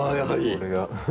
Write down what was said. これが。